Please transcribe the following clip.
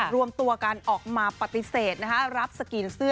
รวมตัวกันออกมาปฏิเสธรับสกรีนเสื้อ